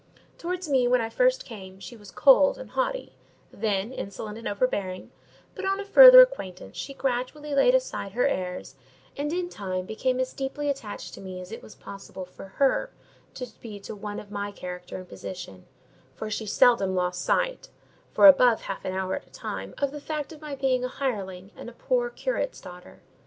Towards me, when I first came, she was cold and haughty, then insolent and overbearing; but, on a further acquaintance, she gradually laid aside her airs, and in time became as deeply attached to me as it was possible for her to be to one of my character and position: for she seldom lost sight, for above half an hour at a time, of the fact of my being a hireling and a poor curate's daughter.